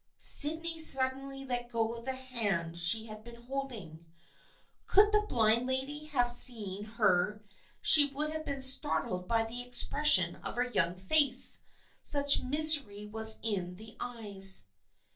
Sydney suddenly let go of the hand she had been holding. Could the blind lady have seen her she would have been startled by the expression of her young face, such misery was in the eyes.